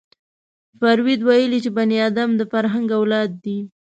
فروید ویلي چې بني ادم د فرهنګ اولاد دی